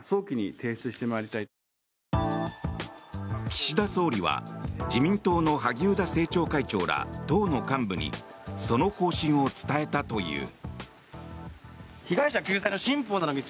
岸田総理は自民党の萩生田政調会長ら党の幹部にその方針を伝えたという。